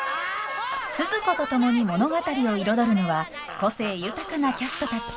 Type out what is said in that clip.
スズ子と共に物語を彩るのは個性豊かなキャストたち。